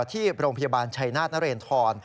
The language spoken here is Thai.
ที่โรงพยาบาลชัยนาธนเรนทร